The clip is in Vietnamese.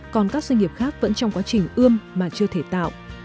còn các doanh nghiệp khác vẫn trong quá trình ươm mà chưa thể tạo